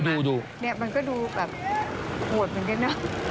ดูเนี่ยมันก็ดูแบบโหดเหมือนกันนะ